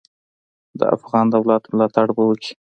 د افغان دولت ملاتړ به وکي.